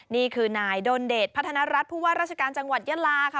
นี่คือนายดนเดชพัฒนรัฐผู้ว่าราชการจังหวัดยะลาค่ะ